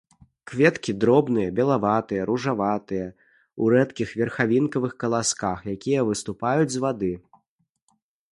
Кветкі дробныя, белаватыя, ружаватыя, у рэдкіх верхавінкавых каласках, якія выступаюць з вады.